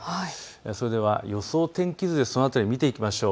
それでは予想天気図でその辺り見ていきましょう。